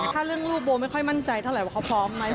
ถ้าเรื่องรูปโบไม่ค่อยมั่นใจเท่าไหร่ว่าเขาพร้อมไหม